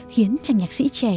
khiến chàng nhạc sĩ trẻ